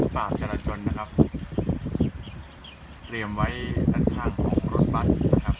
ฝากเจ้าหน้าจนนะครับเตรียมไว้ดันทางของรถบัสนะครับ